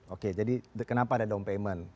oke jadi kenapa ada down payment